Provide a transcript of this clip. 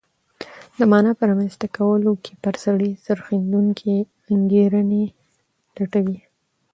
د مانا په رامنځته کولو کې پر سړي څرخېدونکې انګېرنې لټوي.